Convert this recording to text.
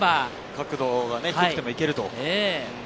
角度が低くてもいけると。